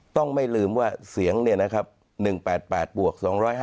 ต้องไม่ลืมว่าเสียงเนี่ยนะครับ๑๘๘บวก๒๕๖